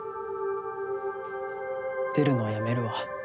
出るのやめるわ。